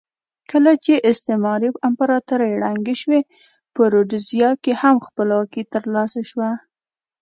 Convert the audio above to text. کله چې استعماري امپراتورۍ ړنګې شوې په رودزیا کې هم خپلواکي ترلاسه شوه.